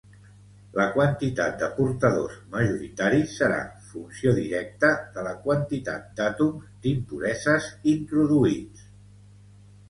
La quantitat de portadors majoritaris serà funció directa de la quantitat d'àtoms d'impureses introduïts.